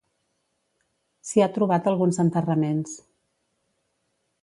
S’hi ha trobat alguns enterraments.